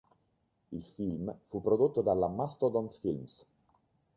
Il film fu prodotto dalla Mastodon Films.